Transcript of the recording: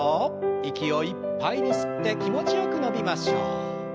息をいっぱいに吸って気持ちよく伸びましょう。